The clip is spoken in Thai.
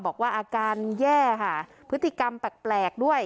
บอกว่าอาการแย่ค่ะพฤติกรรมแปลกด้วย